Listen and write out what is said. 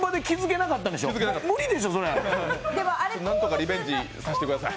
リベンジさせてください